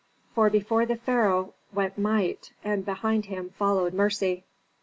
For before the pharaoh went might, and behind him followed mercy.